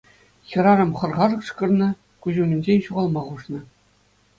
Хӗрарӑм хӑр-хар кӑшкӑрнӑ, куҫ умӗнчен ҫухалма хушнӑ.